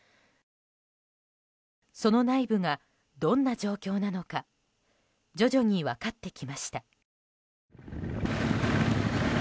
その内部がどんな状況なのか徐々に分かってきました。